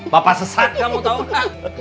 bapak sesat kamu tau lah